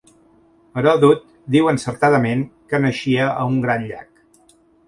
Heròdot diu encertadament que naixia a un gran llac.